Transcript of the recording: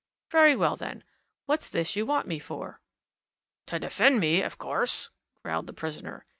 Very well, then what's this you want me for?" "To defend me, of course!" growled the prisoner.